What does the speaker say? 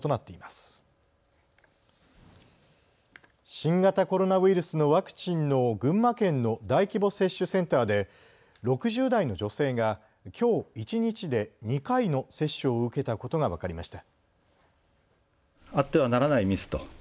新型コロナウイルスのワクチンの群馬県の大規模接種センターで６０代の女性がきょう一日で２回の接種を受けたことが分かりました。